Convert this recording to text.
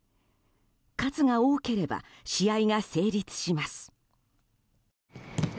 数が多ければ試合が成立します。